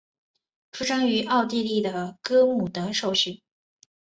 出生于奥地利的哥穆德受训。